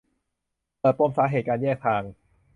เปิดปมสาเหตุการแยกทาง